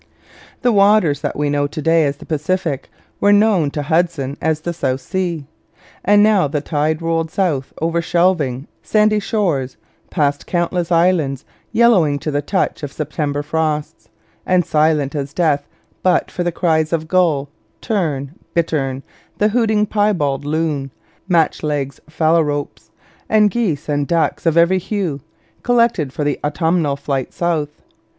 ] The waters that we know to day as the Pacific were known to Hudson as the South Sea. And now the tide rolled south over shelving, sandy shores, past countless islands yellowing to the touch of September frosts, and silent as death but for the cries of gull, tern, bittern, the hooting piebald loon, match legged phalaropes, and geese and ducks of every hue, collected for the autumnal flight south.